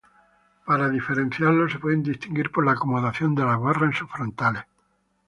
Para diferenciarlos se pueden distinguir por la acomodación de las barra en sus frontales.